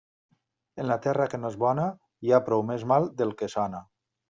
En la terra que no és bona, hi ha prou més mal del que sona.